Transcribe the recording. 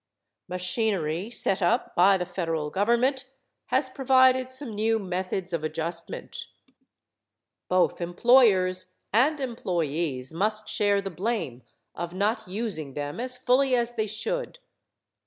Machinery set up by the federal government has provided some new methods of adjustment. Both employers and employees must share the blame of not using them as fully as they should.